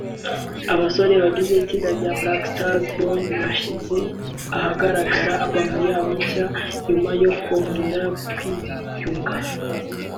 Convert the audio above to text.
Abasore bagize itsinda rya Backstreet Boys bashyize ahagaragara album yabo nshya nyuma yo kongera kwiyunga